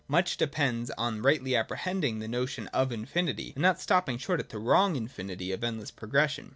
Much depends on rightly apprehending the notion of infinity, and not stopping short at the wrong in finity of endless progression.